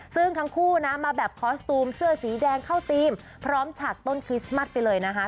ซึ่งทั้งคู่นะมาแบบคอสตูมเสื้อสีแดงเข้าธีมพร้อมฉากต้นคริสต์มัสไปเลยนะคะ